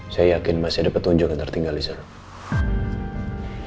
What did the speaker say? saya yakin masih ada petunjuk yang tertinggal di sana